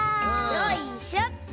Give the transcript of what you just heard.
よいしょっと！